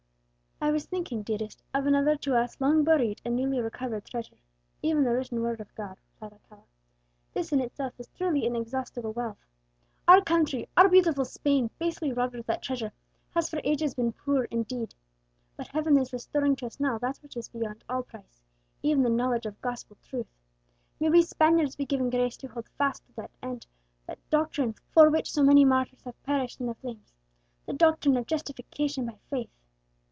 "I was thinking, dearest, of another to us long buried and newly recovered treasure, even the written Word of God," replied Alcala. "This in itself is truly inexhaustible wealth. Our country, our beautiful Spain, basely robbed of that treasure, has for ages been poor indeed! But Heaven is restoring to us now that which is beyond all price, even the knowledge of gospel truth. May we Spaniards be given grace to hold fast to the end that doctrine for which so many martyrs have perished in the flames, the doctrine of justification by faith!"